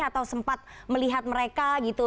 atau sempat melihat mereka gitu